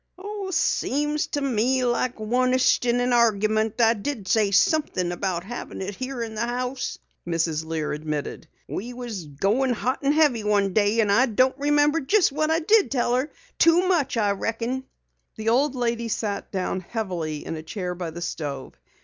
"Seems to me like onest in an argument I did say somethin' about having it here in the house," Mrs. Lear admitted. "We was goin' it hot and heavy one day, an' I don't remember jest what I did tell her. Too much, I reckon." The old lady sat down heavily in a chair by the stove.